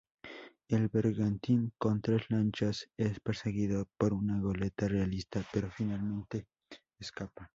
El bergantín con tres lanchas es perseguido por una goleta realista pero finalmente escapa.